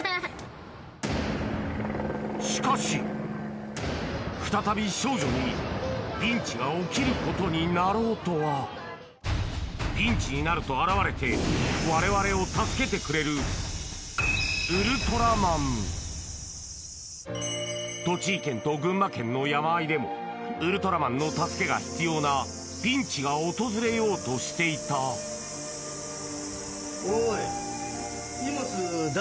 しかし再び少女にピンチが起きることになろうとはピンチになると現れてわれわれを助けてくれるウルトラマン栃木県と群馬県の山あいでもウルトラマンの助けが必要なピンチが訪れようとしていたおい。